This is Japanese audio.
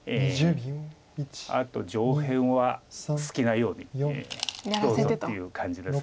あと上辺は好きなようにどうぞっていう感じです